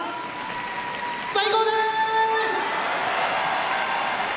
最高です！